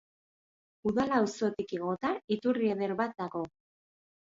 Udala auzotik igota iturri eder bat dago.